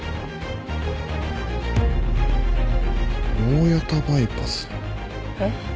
「大谷田バイパス」えっ？